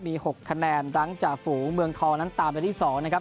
มี๖คะแนนหลังจากฝูงเมืองทองนั้นตามไปที่๒นะครับ